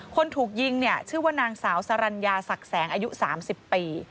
คนถูกยิงเนี่ยชื่อว่านางสาวสรรญาศักดิ์แสงอายุ๓๐ปี